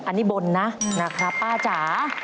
อันนี้บนนะนะครับป้าจ๋า